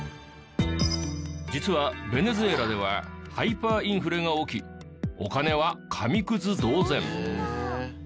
実はベネズエラではハイパーインフレが起きお金は紙くず同然。